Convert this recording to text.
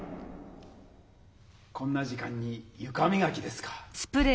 こんな時間にゆかみがきですか？